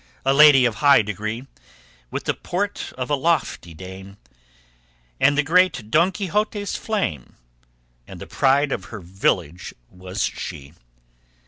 A lady of high degree, With the port of a lofty dame, And the great Don Quixote's flame, And the pride of her village was she.